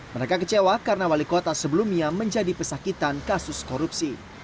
mereka kecewa karena wali kota sebelumnya menjadi pesakitan kasus korupsi